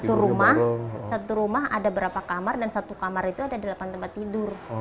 satu rumah satu rumah ada berapa kamar dan satu kamar itu ada delapan tempat tidur